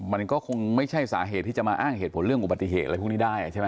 มันก็คงไม่ใช่สาเหตุที่จะมาอ้างเหตุผลเรื่องอุบัติเหตุอะไรพวกนี้ได้ใช่ไหม